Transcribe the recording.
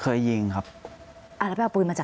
ก็คลิปออกมาแบบนี้เลยว่ามีอาวุธปืนแน่นอน